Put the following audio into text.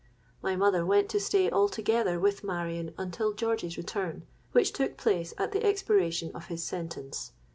My mother went to stay altogether with Marion until George's return, which took place at the expiration of his sentence.